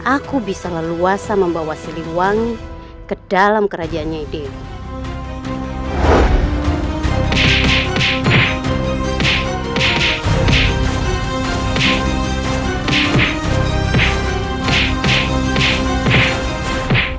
aku bisa leluasa membawa siliwangi ke dalam kerajaannya ide